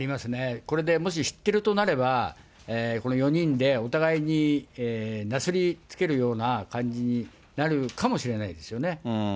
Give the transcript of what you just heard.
これでもし知ってるとなれば、この４人でお互いになすりつけるような感じになるかもしれないですよね。